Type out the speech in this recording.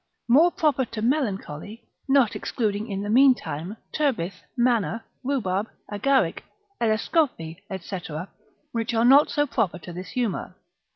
More proper to melancholy, not excluding in the meantime, turbith, manna, rhubarb, agaric, elescophe, &c. which are not so proper to this humour.